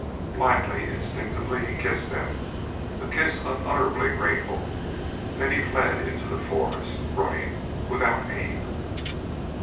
Blindly, instinctively he kissed them a kiss unutterably grateful; then he fled into the forest, running without aim.